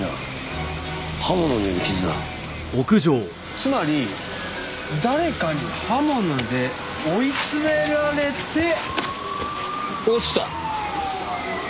つまり誰かに刃物で追い詰められて落ちた。